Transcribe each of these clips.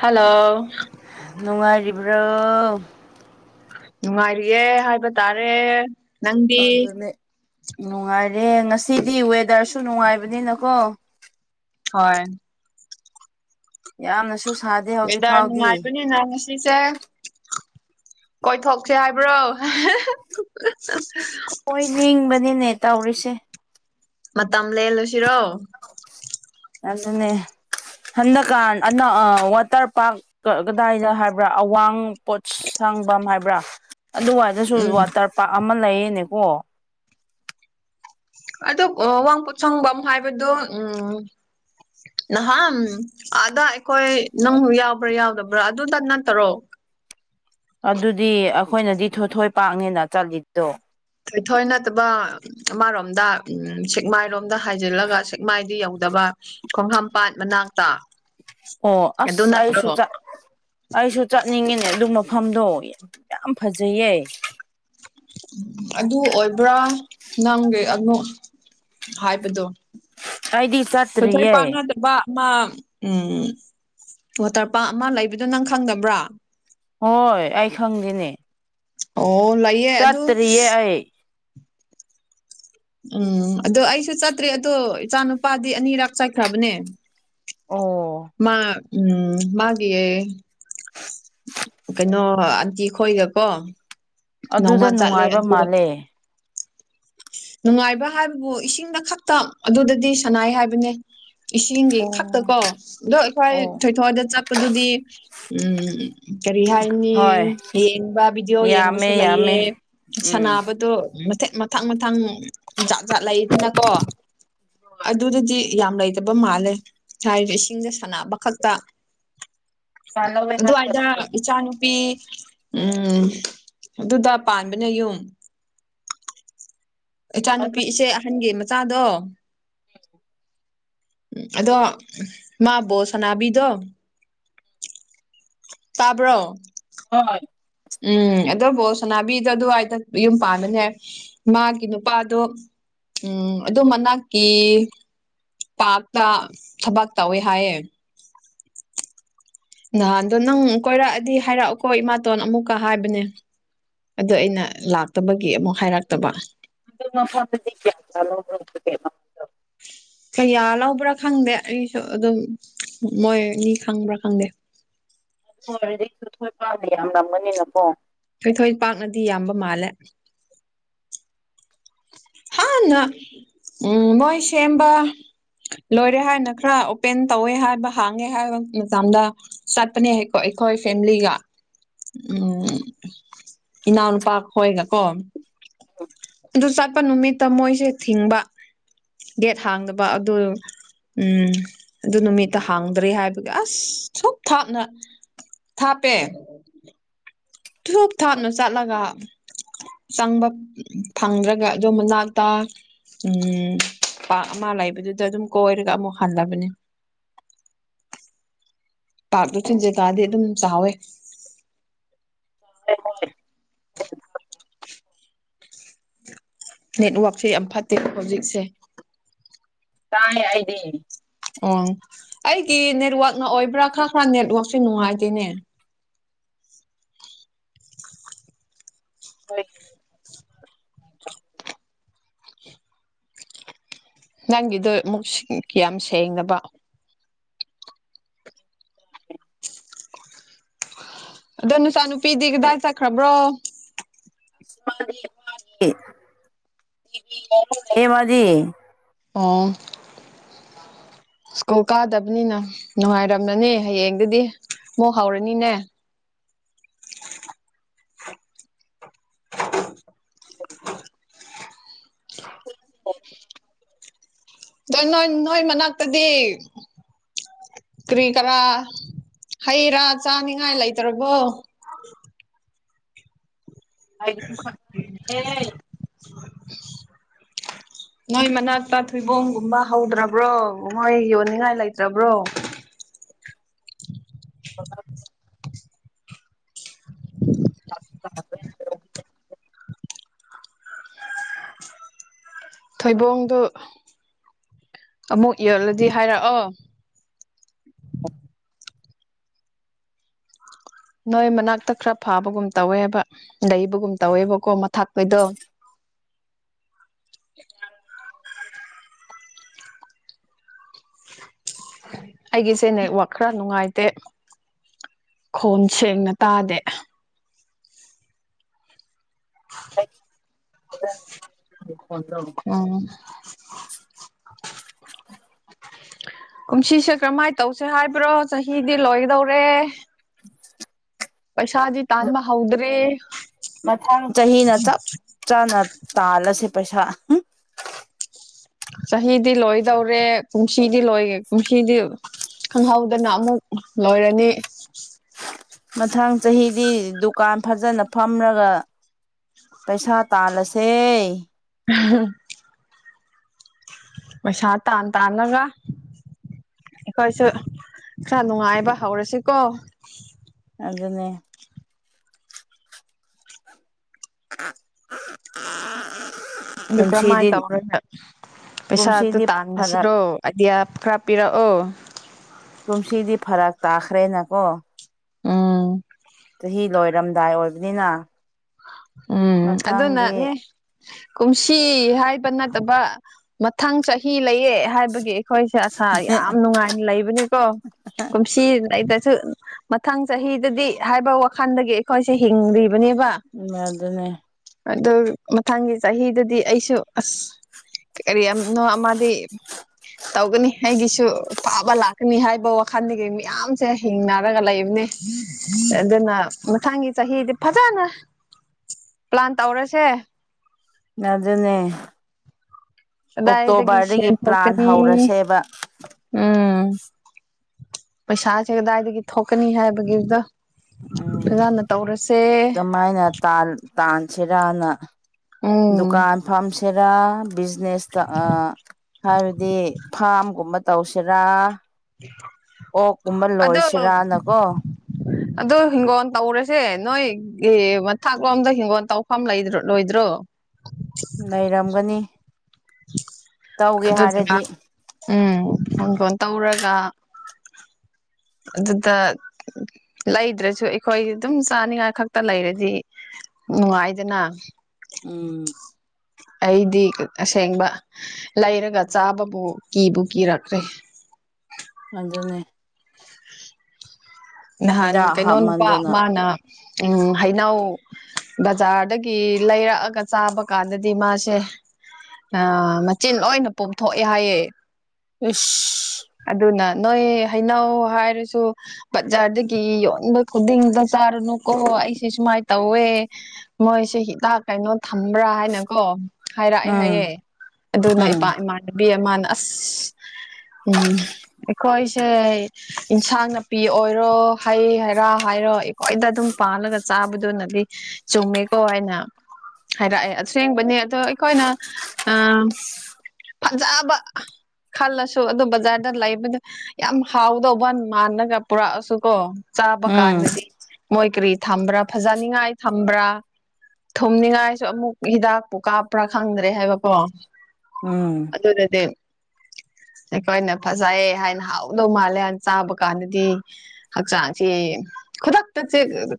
Hello ꯅꯨꯡꯉ ꯏꯔꯤꯕ꯭ꯔꯣ ꯅꯨꯡꯉꯥꯏꯔꯤꯑꯦ ꯍꯥꯏꯕ ꯇꯥꯔꯦ ꯅꯪꯗꯤ ꯑꯗꯨꯅꯦ ꯅꯨꯡꯉꯥꯏꯔꯦ ꯉꯁꯤꯗꯤ ꯋꯦꯗꯔꯁꯨ ꯅꯨꯡꯉꯥꯏꯕꯅꯤꯅꯀꯣ ꯍꯣꯏ ꯌꯥꯝꯅꯁꯨ ꯁꯥꯗꯦ ꯍꯧꯖꯤꯛ ꯍꯣꯗꯥꯔ ꯐꯥꯎꯗꯤ ꯅꯨꯉꯥꯏꯕꯅꯤꯅ ꯉꯁꯤ ꯁꯤꯁꯦ ꯀꯣꯏꯊꯣꯛꯀꯦ ꯍꯥꯏꯕ꯭ꯔꯣ ꯍꯣꯏ ꯌꯦꯡꯕꯅꯤꯅꯦ ꯇꯧꯔꯤꯁꯦ ꯃꯇꯝ ꯂꯦꯜꯂꯨꯁꯤꯔꯣ ꯑꯗꯨꯅꯦ ꯍꯟꯗꯛꯀꯥꯟ ꯑꯅ ꯑ ꯋꯥꯇꯔ ꯄꯥꯔꯛ ꯀꯗꯥꯏꯗ ꯍꯥꯏꯕ꯭ꯔꯥ ꯑꯋꯥꯡ ꯄꯣꯠ ꯁꯥꯡꯐꯝ ꯍꯥꯏꯕ꯭ꯔꯥ ꯑꯗꯨꯋꯥꯏꯗꯁꯨ ꯎꯝ ꯋꯥꯇꯔ ꯄꯥꯔ ꯑꯃ ꯂꯩꯌꯦꯅꯦꯀꯣ ꯑꯗꯨ ꯑꯋꯥꯡꯄꯣꯠꯁꯪꯐꯝ ꯍꯥꯏꯕꯗꯣ ꯎꯝ ꯅꯍꯥꯟ ꯑꯗ ꯑꯩꯈꯣꯏ ꯅꯪ ꯌꯥꯎꯕ꯭ꯔꯥ ꯌꯥꯎꯗꯕ꯭ꯔꯥ ꯑꯗꯨꯗ ꯅꯠꯇꯔꯣ ꯑꯗꯨꯗꯤ ꯑꯩꯈꯣꯏꯅꯗꯤ ꯊꯣꯏꯊꯣꯏ ꯄꯥꯛꯉꯦꯅ ꯆꯠꯂꯤꯠꯇꯣ ꯏꯣꯏ ꯊꯣꯏ ꯅꯠꯇꯕ ꯑꯃꯔꯣꯝꯗ ꯎ ꯁꯦꯛꯃꯥꯏꯔꯣꯝꯗ ꯍꯥꯏꯖꯤꯜꯂꯒ ꯁꯦꯛꯃꯥꯏꯗꯤ ꯌꯧꯗꯕ ꯈꯣꯛꯍꯝꯄꯥꯠ ꯃꯅꯥꯛꯇ ꯑꯣ ꯑꯗꯨ ꯑꯁ ꯑꯩꯁꯨ ꯅꯠꯇ꯭ꯔꯣ ꯆꯠ ꯑꯩꯁꯨ ꯆꯠꯅꯤꯛꯉꯦꯅꯦ ꯑꯗꯨ ꯃꯐꯝꯗꯣ ꯌꯥꯝ ꯐꯖꯩꯌꯦ ꯑꯗꯨ ꯑꯣꯏꯕ꯭ꯔꯥ ꯅꯪꯒꯤ ꯍꯥꯏꯕꯗꯣ ꯑꯩꯗꯤ ꯊꯣꯏꯊꯣꯏ ꯆꯠꯇ꯭ꯔꯤꯌꯦ ꯄꯥꯛꯅꯗꯕ ꯑꯃ ꯎ ꯋꯥꯇꯔ ꯄꯥ ꯑꯃ ꯂꯩꯕꯗꯣ ꯅꯪ ꯈꯪꯗꯕ꯭ꯔꯣ ꯍꯣꯏ ꯑꯩ ꯈꯪꯗꯦꯅꯦ ꯑꯣ ꯂꯥꯏꯌꯦ ꯆꯠꯇ꯭ꯔꯤꯌꯦ ꯑꯩ ꯎꯝ ꯑꯗꯣ ꯑꯩꯁꯨ ꯆꯠꯇ꯭ꯔꯦ ꯑꯗꯣ ꯏꯆꯥ ꯅꯨꯨꯄꯥꯗꯤ ꯑꯅꯤꯔꯛ ꯆꯠꯈ꯭ꯔꯕꯅꯦ ꯑꯣ ꯃꯥ ꯎꯝ ꯃꯥꯒꯤꯑꯦ ꯅ ꯑꯟꯇꯤ ꯑꯩ ꯈꯣꯏꯒꯀꯣ ꯅꯣꯡꯃ ꯑꯗꯨꯗ ꯆꯠꯂꯦ ꯅꯨꯡꯉꯥꯏꯕ ꯑꯗꯣ ꯃꯥꯜꯂꯦ ꯅꯨꯡꯉꯥꯏꯕ ꯍꯥꯏꯕꯕꯨ ꯏꯁꯤꯡꯗ ꯈꯛꯇ ꯑꯗꯨꯗꯗꯤ ꯁꯅꯥꯏ ꯍꯥꯏꯕꯅꯦ ꯏꯁꯤꯡꯒꯤ ꯈꯛꯇ ꯑꯣ ꯀꯣ ꯑꯗꯣ ꯑꯩꯈꯣꯏ ꯑꯣ ꯊꯣꯏꯊꯣꯛꯗ ꯆ ꯑꯗꯨꯗꯤ ꯎꯝ ꯀꯔꯤ ꯍꯥꯏꯅꯤ ꯍꯣꯏ ꯌꯦꯡꯕ ꯚꯤꯗꯤꯑꯣ ꯌꯥꯝꯃꯦ ꯌꯦꯡꯕꯁꯨ ꯂꯩꯌꯦ ꯌꯥꯝꯃꯦ ꯎꯝ ꯁꯅꯥꯕꯗꯨ ꯃꯇꯤꯛ ꯃꯊꯪ ꯃꯊꯪ ꯖꯥꯠ ꯖꯥꯠ ꯂꯩꯗꯅꯀꯣ ꯑꯗꯨꯗꯗꯤ ꯌꯥꯝ ꯂꯩꯇꯕ ꯃꯥꯜꯂꯦ ꯍꯥꯏꯔꯤꯕ ꯏꯁꯤꯡꯗ ꯁꯥꯟꯅꯕ ꯈꯛꯇ ꯑꯗꯨꯋꯥꯏꯗ ꯏꯆꯥ ꯅꯨꯨꯄꯤ ꯎꯝ ꯑꯗꯨꯗ ꯄꯥꯟꯕꯅꯦ ꯌꯨꯝ ꯏꯆꯥꯅꯨꯄꯤ ꯏꯆꯦ ꯑꯍꯟꯒꯤ ꯃꯆꯥꯗꯣ ꯎꯝ ꯑꯗꯣ ꯃꯥ ꯕꯣ ꯁꯅꯥꯕꯤꯗꯣ ꯇꯥꯕ꯭ꯔꯣ ꯍꯣꯏ ꯎꯝ ꯑꯕꯨꯣ ꯁꯣꯅꯥꯕꯤꯗꯣ ꯑꯗꯨꯋꯥꯏꯗ ꯌꯨꯝ ꯄꯥꯟꯕꯥꯟꯅꯦ ꯃꯥꯒꯤ ꯅꯨꯄꯥꯗꯣ ꯎꯝ ꯑꯗꯨꯝ ꯃꯅꯥꯛꯀꯤ ꯇꯥꯛꯇ ꯊꯕꯛ ꯇꯧꯋꯦ ꯍꯥꯏꯌꯦꯦ ꯅꯍꯥꯟꯗꯣ ꯅꯪ ꯀꯣꯏꯔꯛꯑꯗꯤ ꯍꯥꯏꯔꯛꯑꯣꯀꯣ ꯏꯃꯥꯇꯣꯟ ꯑꯃꯨꯛꯀ ꯍꯥꯏꯕꯅꯦ ꯑꯗꯣ ꯑꯩꯅ ꯂꯥꯛꯇꯕꯒꯤ ꯑꯃꯨꯛ ꯍꯥꯏꯔꯛꯇꯕ [unintelligible] ꯀꯌꯥ ꯂꯧꯕ꯭ꯔꯥ ꯈꯪꯗꯦ ꯑꯩꯁꯨ ꯑꯗꯨꯝ ꯃꯣꯏꯅꯤ ꯈꯪꯕ꯭ꯔꯥ ꯈꯪꯗꯦ [unintelligible] ꯌꯥꯝ ꯅꯝꯒꯅꯤꯅꯀꯣ꯫ ꯑꯩꯣꯏꯊꯣꯏ ꯄꯥꯛꯅꯗꯤ ꯌꯥꯝꯕ ꯃꯥꯜꯂꯦ ꯍꯥꯟꯅ ꯎꯝ ꯃꯣꯏ ꯁꯦꯝꯕ ꯂꯣꯏꯔꯦ ꯍꯥꯏꯅ ꯈꯔ ꯑꯣꯄꯦꯟ ꯇꯧꯋꯦ ꯍꯥꯏꯕ ꯍꯥꯡꯉꯦ ꯍꯥꯏꯕ ꯃꯇꯝꯗ ꯆꯠꯄꯅꯦ ꯍꯥꯏꯀꯣ ꯑꯩꯈꯣꯏ ꯐꯦꯃꯤꯂꯤꯒ ꯎꯝ ꯏꯅꯥꯎꯅꯨꯄꯥ ꯍꯣꯏꯒ ꯀꯣ ꯑꯗꯨ ꯆꯠꯄ ꯅꯨꯃꯤꯠꯇ ꯃꯣꯏꯁꯦ ꯊꯤꯡꯕ ꯒꯦꯠ ꯍꯥꯡꯗꯕ ꯑꯗꯨ ꯎꯝ ꯑꯗꯨ ꯅꯨꯃꯤꯠꯇ ꯍꯥꯡꯗ꯭ꯔꯦ ꯍꯥꯏꯕꯒꯤ ꯑꯁ ꯁꯨꯞ ꯊꯥꯞꯅ ꯊꯥꯄꯦ ꯊꯨꯞ ꯊꯥꯞꯅ ꯆꯠꯂꯒ ꯆꯪꯕ ꯐꯪꯗ꯭ꯔꯒ ꯑꯗꯣ ꯃꯅꯥꯛꯇ ꯎꯝ ꯄꯥꯛ ꯑꯃ ꯂꯩꯕꯗꯨꯗ ꯑꯗꯨꯝ ꯀꯣꯏꯔꯒ ꯑꯃꯨꯛ ꯍꯜꯂꯕꯅꯦ ꯄꯥꯛꯇꯨ [unintelligible] ꯑꯗꯨꯝ ꯆꯥꯎꯋꯦ꯫ [unintelligible] ꯅꯦꯠꯋꯥꯛꯁꯦ ꯌꯥꯝ ꯐꯠꯇꯦ ꯍꯧꯖꯤꯛꯁꯦ ꯇꯥꯏ ꯍꯥꯏꯗꯤꯅꯤ ꯑꯣ ꯑꯩꯒꯤ ꯅꯦꯠꯋꯥꯛꯅ ꯑꯣꯏꯕ꯭ꯔꯥ ꯈꯔ ꯈꯔ ꯅꯦꯠꯋꯥꯛꯁꯦ ꯅꯨꯡꯉꯥꯏꯇꯦꯅꯦ [unintelligible] ꯅꯪꯒꯤꯗꯨꯣ ꯑꯃꯨꯛ ꯀꯌꯥꯝ ꯁꯦꯡꯅꯕ ꯑꯗꯣ ꯅꯨꯆꯥ ꯅꯨꯨꯄꯤꯗꯤ ꯀꯗꯥꯏ ꯆꯠꯈ꯭ꯔꯕ꯭ꯔꯣ [unintelligible] ꯑꯣ ꯁ꯭ꯀꯨꯜ ꯀꯥꯗꯕꯅꯤꯅ ꯅꯨꯡꯉꯥꯏꯔꯝꯅꯤ ꯍꯌꯦꯡꯗꯗꯤ ꯃꯨꯛ ꯍꯥꯎꯔꯅꯤꯅꯦ [unintelligible] [unintelligible] ꯑꯣꯏ ꯅꯣꯏ ꯅꯣꯏ ꯃꯅꯥꯛꯇꯗꯤ ꯀꯔꯤ ꯀꯔꯥ ꯍꯩꯔꯥ ꯆꯥꯅꯤꯡꯉꯥꯏ ꯂꯩꯇ꯭ꯔꯕꯣ [unintelligible] ꯑ ꯅꯣꯏ ꯃꯅꯥꯛꯇ ꯊꯣꯏꯕꯣꯡꯒꯨꯝꯕ ꯍꯧꯗ꯭ꯔꯕ꯭ꯔꯣ ꯃꯣꯏ ꯌꯣꯟꯅꯤꯡꯉꯥꯏ ꯂꯩꯇ꯭ꯔꯕ꯭ꯔꯣ ꯑ ꯑ ꯊꯣꯏꯕꯣꯡꯗꯨ ꯑꯃꯨꯛ ꯌꯛꯂꯗꯤ ꯍꯥꯏꯔꯛꯑꯣ ꯅꯣꯏ ꯃꯅꯥꯛꯇ ꯈꯔ ꯐꯥꯕꯒꯨꯝ ꯇꯧꯋꯦ ꯍꯥꯏꯕ ꯂꯩꯩꯕꯒꯨꯝ ꯇꯧꯋꯦꯕꯀꯣ ꯃꯊꯥꯛꯈꯩꯗꯣ ꯑꯩꯒꯤꯁꯦ ꯅꯦꯛꯋꯥꯛ ꯈꯔ ꯅꯨꯡꯉꯥꯏꯇꯦ ꯈꯣꯟ ꯁꯦꯡꯅ ꯇꯥꯗꯦ [inaudible] [unintelligible] ꯎꯝ ꯎꯨꯝꯁꯤꯁꯦ ꯀꯔꯝꯍꯥꯏꯅ ꯇꯧꯁꯦ ꯍꯥꯏꯕ꯭ꯔꯣ ꯆꯍꯤꯗꯤ ꯂꯣꯏꯒꯗꯧꯔꯦ ꯄꯁꯗꯤ ꯇꯥꯟꯕ ꯍꯥꯎꯗ꯭ꯔꯦ ꯃꯊꯪ ꯆꯍꯤꯅ ꯆꯞ ꯆꯥꯅ ꯇꯥꯜꯂꯁꯦ ꯄꯩꯁꯥ ꯆꯍꯤꯗꯤ ꯂꯣꯏꯗꯧꯔꯦ ꯀꯨꯝꯁꯤꯗꯤ ꯂꯣꯏꯒꯦ ꯀꯨꯝꯁꯤꯗꯤ ꯈꯪꯍꯧꯗꯅ ꯑꯃꯨꯛ ꯂꯣꯏꯔꯅꯤ ꯃꯊꯪ ꯆꯍꯤꯗꯤ ꯗꯨꯀꯥꯟ ꯐꯖꯅ ꯐꯝꯔꯒ ꯄꯩꯁꯥ ꯇꯥꯜꯂꯁꯦ ꯎ ꯃꯩꯁꯥ ꯇꯥꯟ ꯇꯥꯅꯒ ꯑꯩꯈꯣꯏꯁꯨ ꯈꯔ ꯅꯨꯡꯉꯥꯏꯕ ꯍꯧꯔꯁꯤꯀꯣ ꯑꯗꯨꯅꯤ ꯑ ꯑ ꯑꯗꯨ ꯀ꯭ꯔꯃꯥꯏ ꯇꯧꯔꯅꯦ ꯄꯩꯁꯥꯗꯨ ꯀꯨꯝꯁꯤꯗꯤ ꯐꯔꯛ ꯇꯥꯟꯅꯁꯤꯔꯣ ꯑꯗꯤꯌꯥ ꯈꯔ ꯄꯤꯔꯛꯑꯣ ꯀꯨꯝꯁꯤꯗꯤ ꯐꯔꯥꯛ ꯇꯥꯈ꯭ꯔꯦꯅꯀꯣ ꯎ ꯆꯍꯤ ꯂꯣꯏꯔꯝꯗꯥꯏ ꯑꯣꯏꯕꯅꯤꯅ ꯎꯝ ꯑꯗꯨꯗ ꯃꯊꯪꯗꯤ ꯅꯅꯦ ꯀꯨꯝꯁꯤ ꯍꯥꯏꯕ ꯅꯠꯇꯕ ꯃꯊꯪ ꯆꯍꯤ ꯂꯩꯌꯦ ꯍꯥꯏꯕꯒꯤ ꯑꯩꯈꯣꯏꯁꯦ ꯑꯁꯥ ꯌꯥꯝ ꯅꯨꯡꯉꯥꯏꯅ ꯂꯩꯕꯅꯤꯀꯣ ꯀꯨꯝꯁꯤ ꯂꯩꯗꯁꯨ ꯃꯊꯪ ꯆꯍꯤꯗꯗꯤ ꯍꯥꯏꯕ ꯋꯥꯈꯜꯗꯒꯤ ꯑꯩꯈꯣꯏꯁꯦ ꯍꯤꯡꯂꯤꯕꯅꯦꯕ ꯎ ꯑꯗꯨꯅꯦ ꯑꯗꯨ ꯃꯊꯪꯒꯤ ꯆꯍꯤꯗꯗꯤ ꯑꯩꯁꯨ ꯑꯁ ꯀꯔꯤ ꯑꯃꯤꯛꯅ ꯃꯥꯗꯤ ꯇꯧꯒꯅꯤ ꯑꯩꯒꯤꯁꯨ ꯐꯥꯕ ꯂꯥꯛꯀꯅꯤ ꯍꯥꯏꯕ ꯋꯥꯈꯟꯗꯒꯤ ꯃꯌꯥꯝꯁꯦ ꯍꯤꯡꯅꯔꯒ ꯂꯩꯕꯅꯦ꯫ ꯑꯗꯨꯅ ꯃꯊꯪꯒꯤ ꯆꯍꯤꯗꯤ ꯐꯖꯅ ꯄ꯭ꯂꯥꯟ ꯇꯧꯔꯁꯦ ꯑꯗꯨ ꯑꯗꯨꯅꯦ ꯀꯗꯥꯏꯗꯒꯤ ꯑꯣꯛꯇꯣꯕꯔꯗꯒꯤ ꯁꯦꯟ ꯄ꯭ꯂꯥꯟ ꯊꯣꯛꯀꯅꯤ ꯍꯧꯔꯁꯦꯕ ꯎꯝ ꯄꯩꯁꯥꯁꯦ ꯀꯗꯥꯏꯗꯒꯤ ꯊꯣꯛꯀꯅꯤ ꯍꯥꯏꯕꯒꯤꯗ ꯐꯖꯥꯅ ꯇꯧꯔꯁꯦ ꯁꯃꯥꯏꯅ ꯇꯥꯟꯁꯤꯔꯅ ꯎꯝ ꯗꯨꯀꯥꯟ ꯐꯥꯝꯁꯦꯔꯥ ꯕꯤꯅꯦꯁꯇ ꯍꯥꯏꯕꯗꯤ ꯐꯥꯝꯒꯨꯝꯕ ꯇꯧꯁꯤꯔꯥ ꯑꯣ ꯀꯨꯝꯕ ꯂꯣꯏꯁꯤꯔꯥꯅꯀꯣ ꯑꯗꯨ ꯍꯤꯡꯒꯣꯟ ꯇꯧꯔꯁꯦ ꯅꯣꯏ ꯑꯦ ꯃꯊꯥꯛꯂꯣꯝꯗ ꯍꯤꯡꯒꯣꯜ ꯇꯧꯐꯝ ꯂꯩ ꯂꯣꯏꯗ꯭ꯔꯣ ꯂꯩꯔꯝꯒꯅꯤ ꯇꯧꯒꯦ ꯑꯗꯨꯗꯨꯒ ꯍꯥꯏꯔꯗꯤ ꯎꯝ ꯐꯣꯟ ꯐꯣꯟ ꯇꯧꯔꯒ ꯑꯗꯨꯗ ꯂꯩꯗ꯭ꯔꯁꯨ ꯑꯩꯈꯣꯏ ꯑꯗꯨꯝ ꯆꯥꯅꯤꯉꯥꯏ ꯈꯛꯇ ꯂꯩꯔꯗꯤ ꯅꯨꯡꯉꯥꯏꯗꯅ ꯎꯝ ꯑꯩꯗꯤ ꯑꯁꯦꯡꯕ ꯂꯩꯔꯒ ꯆꯥꯕꯕꯨ ꯀꯤꯕꯨ ꯀꯤꯔꯛꯈꯔ꯭ꯦ ꯑꯗꯨꯅꯤ ꯅꯍꯥꯟ ꯍꯤꯗꯥꯛ ꯀꯩꯅꯣ ꯅꯨꯄꯥ ꯍꯥꯞꯃꯟꯗꯅ ꯃꯥꯅ ꯎꯝ ꯍꯩꯅꯧ ꯕꯖꯥꯔꯗꯒꯤ ꯂꯩꯔꯛꯑꯒ ꯆꯥꯕ ꯀꯥꯟꯗꯗꯤ ꯃꯥꯁꯦ ꯑ ꯃꯆꯤꯟ ꯂꯣꯏꯅ ꯄꯣꯝꯊꯣꯛꯑꯦ ꯍꯥꯏꯌꯦ ꯏꯁꯁ ꯑꯗꯨꯅ ꯅꯣꯏ ꯍꯩꯅꯧ ꯍꯥꯏꯔꯁꯨ ꯕꯖꯥꯔꯗꯒꯤ ꯌꯣꯟꯕ ꯈꯨꯗꯤꯡꯗ ꯆꯥꯔꯨꯅꯨꯀꯣ ꯑꯩꯁꯦ ꯁꯨꯃꯥꯏꯅ ꯇꯧꯋꯦ ꯃꯣꯏꯁꯦ ꯍꯤꯗꯥꯛ ꯀꯩꯅꯣ ꯊꯝꯕꯔ꯭ ꯍꯥꯏꯅꯀꯣ ꯍꯥꯏꯔꯛꯑꯦ ꯎꯝ ꯍꯥꯏꯌꯦ ꯑꯗꯨꯅ ꯎꯝ ꯏꯄꯥ ꯏꯃꯥꯟꯅꯕꯤ ꯑꯃꯅ ꯑꯁ ꯎꯝ ꯑꯩꯈꯣꯏꯁꯦ ꯏꯟꯁꯥꯡ-ꯅꯥꯄꯤ ꯑꯣꯏꯔꯣ ꯍꯩ ꯍꯩꯔꯥ ꯍꯥꯏꯔꯣ ꯑꯩꯈꯣꯏꯗ ꯑꯗꯨꯝ ꯄꯥꯜꯂꯒ ꯆꯥꯕꯗꯨꯅꯗꯤ ꯆꯨꯝꯃꯦꯀꯣ ꯍꯥꯏꯅ ꯍꯥꯏꯔꯛꯑꯦ ꯑꯁꯦꯡꯕꯅꯦ ꯑꯗꯣ ꯑꯩꯈꯣꯏꯅ ꯑ ꯐꯖꯕ ꯈꯜꯂꯁꯨ ꯑꯗꯨ ꯖꯥꯥꯔꯗ ꯂꯩꯕꯗ ꯌꯥꯝ ꯍꯥꯎꯗꯧꯕ ꯃꯥꯜꯂꯒ ꯄꯨꯔꯛꯑꯁꯨ ꯀꯣ ꯆꯥꯕ ꯎꯝ ꯀꯥꯟꯗꯗꯤ ꯃꯣꯏ ꯀꯔꯤ ꯊꯝꯕ꯭ꯔꯥ ꯐꯖꯅꯤꯡꯉꯥꯏ ꯊꯝꯕ꯭ꯔꯥ ꯊꯨꯝꯅꯤꯡꯉꯥꯏꯁꯨ ꯑꯃꯨꯛ ꯍꯤꯗꯥꯛꯄꯨ ꯀꯥꯞꯄ꯭ꯔꯥ ꯈꯪꯗ꯭ꯔꯦ ꯍꯥꯏꯕꯀꯣ ꯎꯝ ꯑꯗꯨꯗꯗꯤ ꯑꯩꯈꯣꯏꯅ ꯐꯖꯩꯌꯦ ꯍꯥꯏꯅ ꯍꯥꯎꯗꯧ ꯃꯥꯜꯂꯦꯅ ꯆꯥꯕ ꯀꯥꯟꯗꯗꯤ ꯍꯛꯆꯥꯡꯁꯤ ꯈꯨꯗꯛꯇ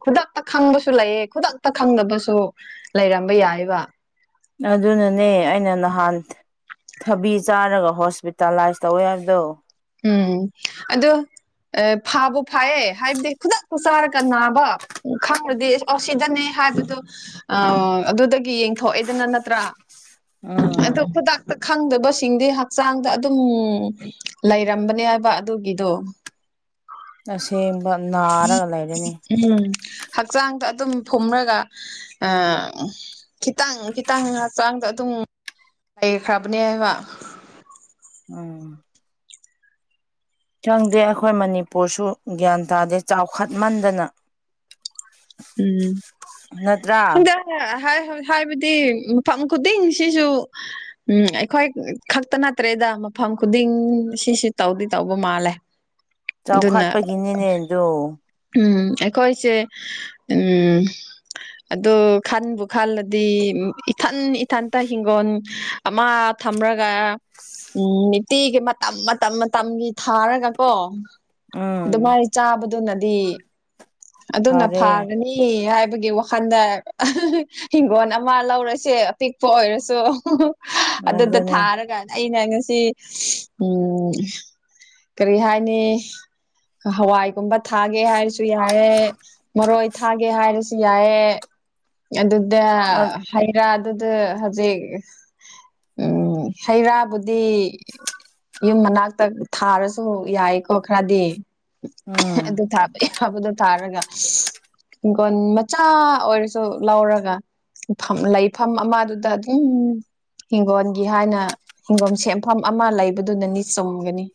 ꯈꯨꯗꯛꯇ ꯈꯪꯕꯁꯨ ꯂꯩꯌꯦ ꯈꯨꯗꯛꯇ ꯈꯪꯗꯕꯁꯨ ꯂꯩꯔꯝꯕ ꯌꯥꯏꯕ ꯑꯗꯨꯅꯅꯦ ꯑꯩꯅ ꯅꯍꯥꯟ ꯊꯕꯤ ꯆꯥꯔꯒ ꯍꯣꯁꯄꯤꯇꯥꯂꯥꯏꯁ ꯇꯧꯋꯦ ꯍꯥꯏꯕꯗꯣ ꯎꯝ ꯑꯗꯨ ꯐꯥꯕꯨ ꯐꯥꯏꯌꯦ ꯍꯥꯏꯕꯗꯤ ꯈꯨꯗꯛꯇꯨ ꯆꯥꯔꯒ ꯅꯥꯕ ꯎꯝ ꯈꯪꯔꯗꯤ ꯑꯁꯤꯗꯅꯦ ꯍꯥꯏꯕꯗꯣ ꯑ ꯑꯗꯨꯗꯒꯤ ꯌꯦꯡꯊꯣꯛꯑꯦꯗꯅ ꯅꯠꯇ꯭ꯔꯥ ꯎꯝ ꯑꯗꯣ ꯈꯨꯗꯛꯇ ꯈꯪꯗꯕꯁꯤꯡꯗꯤ ꯍꯛꯆꯥꯡꯗ ꯑꯗꯨꯝ ꯂꯩꯔꯝꯕꯅꯦ ꯍꯥꯏꯕ ꯑꯗꯨꯒꯤꯗꯣ ꯑꯁꯦꯡꯕ ꯅꯥꯔꯒ ꯂꯩꯔꯅꯤ ꯎꯝ ꯍꯛꯆꯥꯡꯗ ꯑꯗꯨꯝ ꯐꯨꯝꯔꯒ ꯈꯤꯇꯪ ꯈꯤꯇꯪ ꯍꯛꯆꯥꯡꯗ ꯑꯗꯨꯝ ꯂꯩꯈ꯭ꯔꯕꯅꯦ ꯍꯥꯏꯕ ꯎꯝ ꯈꯪꯗꯦ ꯑꯩꯈꯣꯏ ꯃꯅꯤꯄꯨꯔꯁꯨ ꯒ꯭ꯌꯥꯟ ꯇꯥꯗꯦ ꯆꯥꯎꯈꯠꯃꯟꯗꯅ ꯎꯝ ꯅꯠꯇ꯭ꯔꯥ ꯈꯪꯗꯦ ꯍꯥꯏꯕꯗꯤ ꯃꯐꯝ ꯈꯨꯗꯤꯡꯁꯤꯁꯨ ꯎꯝ ꯑꯩꯈꯣꯏ ꯈꯛꯇ ꯅꯠꯇ꯭ꯔꯦꯗ ꯃꯐꯝ ꯈꯨꯗꯤꯡ ꯁꯤꯁꯨ ꯇꯧꯗꯤ ꯇꯧꯕ ꯃꯥꯜꯂꯦ [unintelligible] ꯆꯥꯎꯈꯠꯄꯒꯤꯅꯤꯅꯦ ꯑꯗꯣ ꯎꯝ ꯑꯩꯈꯣꯏꯁꯦ ꯎꯝ ꯑꯗꯨ ꯈꯟꯕꯨ ꯈꯜꯂꯗꯤ ꯏꯊꯟ ꯏꯊꯟꯇ ꯍꯤꯡꯒꯣꯜ ꯑꯃ ꯊꯝꯔꯒ ꯎꯝ ꯅꯨꯡꯇꯤꯒꯤ ꯃꯇꯝ ꯃꯇꯝ ꯃꯇꯝꯒꯤ ꯊꯥꯔꯒ ꯀꯣ ꯎꯝ ꯑꯗꯨꯃꯥꯏꯅ ꯆꯥꯕꯗꯨꯅꯗꯤ ꯑꯗꯨꯅ ꯐꯔꯦ ꯐꯥꯒꯅꯤ ꯍꯥꯏꯕꯒꯤ ꯋꯥ ꯋꯥꯈꯟꯗ ꯍꯤꯡꯒꯣꯜ ꯑꯃ ꯂꯧꯔꯁꯦ ꯑꯄꯤꯛꯄ ꯑꯣꯏꯔꯁꯨ ꯑꯗꯨꯗ ꯑꯗꯨꯅꯦ ꯊꯥꯔꯒ ꯑꯩꯅ ꯉꯁꯤ ꯎꯝ ꯀꯔꯤ ꯍꯥꯏꯅꯤ ꯍꯋꯥꯏꯒꯨꯝꯕ ꯊꯥꯒꯦ ꯍꯥꯏꯔꯁꯨ ꯌꯥꯏ ꯍꯥꯏꯑꯦ ꯃꯔꯣꯏ ꯊꯥꯒꯦ ꯍꯥꯏꯔꯁꯨ ꯌꯥꯏꯑꯦ ꯑꯗꯨꯗ ꯎꯝ ꯍꯩ ꯔꯥꯗꯨꯗ ꯍꯧꯖꯤꯛ ꯎꯝ ꯍꯩ ꯔꯥꯕꯨꯗꯤ ꯌꯨꯝ ꯃꯅꯥꯛꯇ ꯊꯥꯔꯁꯨ ꯌꯥꯏꯀꯣ ꯈꯔꯗꯤ ꯑꯗꯨ ꯊꯥꯕ ꯌꯥꯕꯗꯣ ꯊꯥꯔꯒ ꯍꯤꯡꯈꯣꯟ ꯃꯆꯥ ꯑꯣꯏꯔꯁꯨ ꯂꯧꯔꯒ ꯂꯩꯐꯝ ꯑꯃꯗꯨꯗ ꯑꯗꯨꯝ ꯍꯤꯡꯒꯣꯜꯒꯤ ꯍꯥꯏꯅ ꯍꯤꯡꯒꯣꯜ ꯁꯦꯝꯐꯝ ꯑꯃ ꯂꯩꯕꯗꯨꯅꯅꯤ ꯆꯨꯝꯒꯅꯤ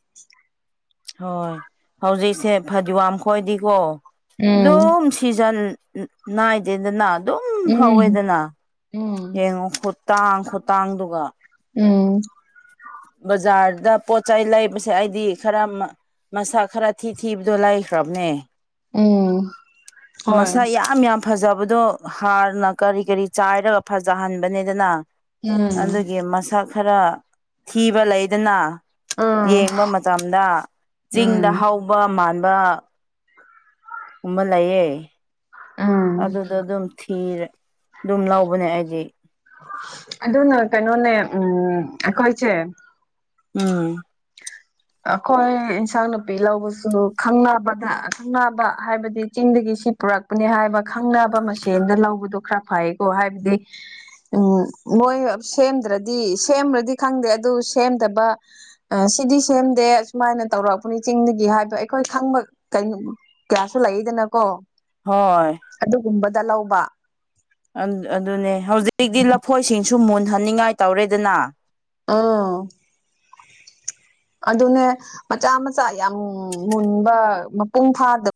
ꯍꯣꯏ ꯍꯧꯖꯤꯛꯁꯦ ꯐꯗꯤꯋꯥꯝ ꯈꯣꯏꯗꯤꯀꯣ ꯎꯝ ꯑꯗꯨꯝ ꯁꯤꯤꯖꯟ ꯅꯥꯏꯗꯦꯗꯅ ꯑꯗꯨꯝ ꯎꯝ ꯍꯧꯋꯦꯗꯅ ꯎꯝ ꯌꯦꯡꯉꯣ ꯇꯥꯡꯈꯨꯇꯥꯡꯗꯨꯒ ꯎꯝ ꯕꯖꯥꯔꯗ ꯄꯣꯠꯆ ꯆꯩ ꯂꯩꯕꯁꯦ ꯑꯩꯗꯤ ꯈꯔ ꯃꯁꯛ ꯈꯔ ꯊꯤ ꯊꯤꯕꯗꯣ ꯂꯩꯈ꯭ꯔꯕꯅꯦ ꯎꯝ ꯍꯣꯏ ꯃꯁꯛ ꯌꯥꯝ ꯌꯥꯝ ꯐꯖꯕꯗꯣ ꯍꯥꯔꯅ ꯀꯔꯤ ꯀꯔꯤ ꯆꯥꯏꯔꯒ ꯐꯖꯍꯟꯕꯅꯦꯗꯅ ꯎꯝ ꯑꯗꯨꯒꯤ ꯃꯁꯛ ꯈꯔ ꯊꯤꯕ ꯂꯩꯗꯅ ꯑꯥ ꯌꯦꯡꯕ ꯃꯇꯝꯗ ꯆꯤꯡꯗ ꯎꯝ ꯍꯥꯎꯕ ꯃꯥꯟꯕ ꯨꯑꯃꯥ ꯂꯩꯌꯦ ꯎꯝ ꯑꯗꯨꯗ ꯑꯗꯨꯝ ꯊꯤꯔꯦ ꯑꯗꯨꯝ ꯂꯧꯕꯅꯦ ꯑꯩꯗꯤ ꯑꯗꯨꯅ ꯀꯩꯅꯣꯅꯦ ꯎꯝ ꯑꯩꯈꯣꯏꯁꯦ ꯎꯝ ꯑꯩꯈꯣꯏ ꯏꯟꯁꯥꯡ ꯅꯥꯄꯤ ꯂꯧꯕꯁꯨ ꯈꯪꯅꯕꯗ ꯈꯪꯅꯕ ꯍꯥꯏꯕꯗꯤ ꯆꯤꯡꯗꯒꯤ ꯄꯨꯔꯛꯄꯅꯦ ꯍꯥꯏꯕ ꯈꯪꯅꯕ ꯃꯁꯦꯟꯗꯦ ꯂꯧꯕꯗꯣ ꯈꯔ ꯐꯩꯀꯣ ꯍꯥꯏꯕꯗꯤ ꯎꯝ ꯃꯣꯏ ꯁꯦꯝꯗ꯭ꯔꯗꯤ ꯁꯦꯝꯔꯗꯤ ꯈꯪꯗꯦ ꯑꯗꯨ ꯁꯦꯝꯗꯕ ꯑ ꯁꯤꯗꯤ ꯁꯦꯝꯗꯦ ꯑꯗꯨꯃꯥꯏꯅ ꯇꯧꯔꯛꯑꯄꯅꯤ ꯆꯤꯡꯗꯒꯤ ꯍꯥꯏꯕ ꯑꯩꯈꯣꯏ ꯈꯪꯕ ꯀꯩꯅꯣ ꯀ꯭ꯂꯥꯁꯨꯇ ꯂꯩꯌꯦꯗꯅꯀꯣ꯫ ꯍꯣꯏ ꯑꯗꯨꯒꯨꯝꯕꯗ ꯂꯧꯕ ꯑꯗꯨꯅꯦ ꯍꯧꯖꯤꯛꯇꯤ ꯂꯐꯣꯏꯁꯤꯡꯁꯨ ꯃꯨꯟꯍꯟꯅꯤꯡꯉꯥꯏ ꯇꯧꯔꯦꯗꯅ ꯑꯥ ꯑꯗꯨꯅꯦ ꯃꯆꯥ ꯃꯆꯥ ꯌꯥꯝ ꯃꯨꯟꯕ ꯃꯄꯨꯡ ꯐꯥꯗ